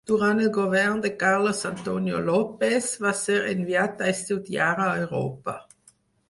Durant el govern de Carlos Antonio López, va ser enviat a estudiar a Europa.